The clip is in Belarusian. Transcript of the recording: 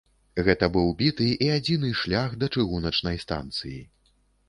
Гэта быў біты і адзіны шлях да чыгуначнай станцыі.